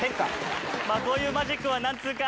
まあこういうマジックは何つーか。